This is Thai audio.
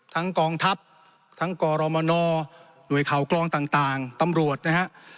กองทัพทั้งกรมนหน่วยข่าวกรองต่างตำรวจนะฮะ